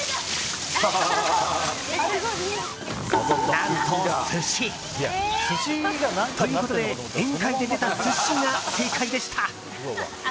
何と、寿司！ということで宴会で出た寿司が正解でした。